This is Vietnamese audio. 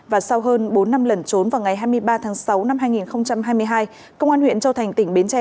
và sau hơn bốn năm lẩn trốn vào ngày hai mươi ba tháng sáu năm hai nghìn hai mươi hai công an huyện châu thành tỉnh bến tre